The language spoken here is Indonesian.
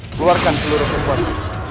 keluarkan seluruh kekuatan